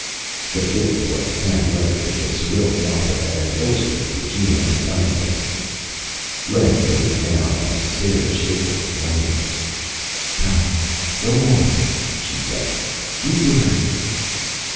The fifth was hand lettered in the Cyrillic alphabet and illustrated with geometric diagrams. Len put it down and stared shakily at Moira. "No, go on," she said, "read the rest."